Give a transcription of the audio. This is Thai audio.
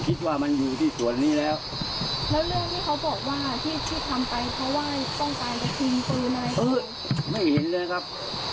ไปด้วยกันผมควรกลับครับไม่ใช่เขาไปดูไม่ได้ครับ